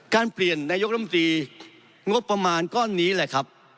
เปลี่ยนนายกรมตรีงบประมาณก้อนนี้แหละครับ